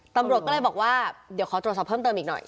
ตำรวจก็เลยบอกว่าเดี๋ยวขอตรวจสอบเพิ่มเติมอีกหน่อย